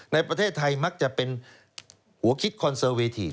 ในประเทศไทยมักจะเป็นหัวคิดคอนเสิร์ตเวที